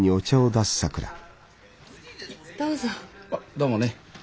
どうもね。